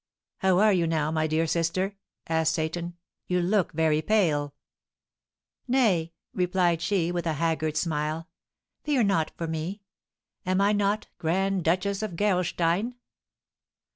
"How are you now, my dear sister?" asked Seyton. "You look very pale." "Nay," replied she, with a haggard smile, "fear not for me; am I not Grand Duchess of Gerolstein?"